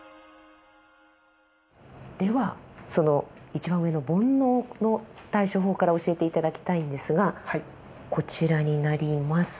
ではその一番上の「煩悩」の対処法から教えて頂きたいんですがこちらになります。